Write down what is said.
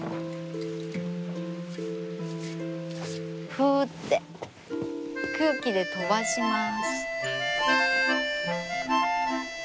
ふうって空気で飛ばします。